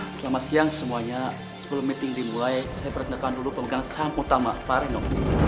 selamat siang semuanya sebelum meeting dimulai saya perkenalkan dulu pemegang saham utama pak reno